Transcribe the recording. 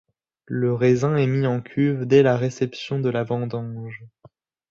Le raisin est mis en cuve dès la réception de la vendange.